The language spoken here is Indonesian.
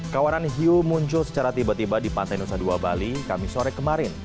kawaran hiu muncul secara tiba tiba di pantai nusa dua bali kami sore kemarin